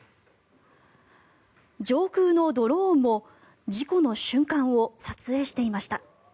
上空のドローンも事故の瞬間を撮影していました。